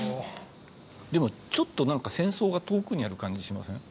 でもちょっと何か戦争が遠くにある感じしません？